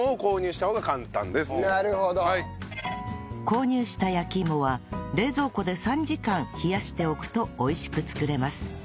購入した焼き芋は冷蔵庫で３時間冷やしておくと美味しく作れます